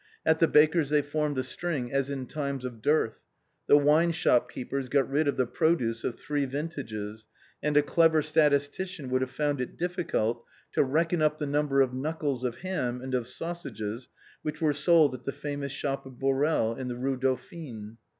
At the baker's they formed a string as in times of dearth. The wine shop keepers got rid of the produce of three vintages, and a clever statistician would have found it difficult to reckon up the number of knuckles of ham and of sausages which were sold at the famous shop of Borel, in the Hue Dauphine.